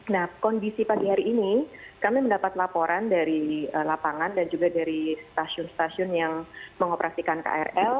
nah kondisi pagi hari ini kami mendapat laporan dari lapangan dan juga dari stasiun stasiun yang mengoperasikan krl